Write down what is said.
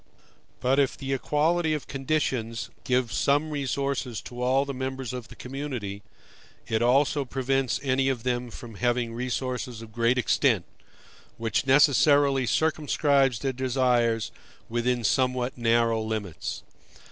But if the equality of conditions gives some resources to all the members of the community, it also prevents any of them from having resources of great extent, which necessarily circumscribes their desires within somewhat narrow limits.